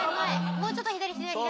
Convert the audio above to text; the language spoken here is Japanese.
もうちょっと左左左左。